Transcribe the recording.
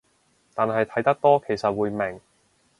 但係睇得多其實會明